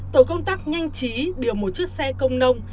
tổ công tác nhanh chí điều một chiếc xe công nông